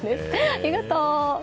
ありがとう！